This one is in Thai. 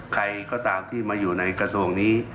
ใครก็ตามที่มาอยู่ในกระทรวงศาลนักศึกษ์นี้